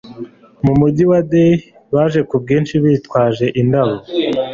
mu mujyi wa Delhi, baje ku bwinshi bitwaje indabo,